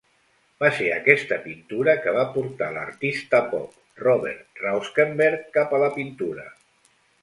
Va ser aquesta pintura que va portar l'artista pop Robert Rauschenberg cap a la pintura.